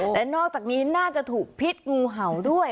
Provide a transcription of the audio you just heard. แต่นอกจากนี้น่าจะถูกพิษงูเห่าด้วย